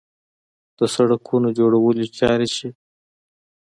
د سړکونو جوړولو چارې چې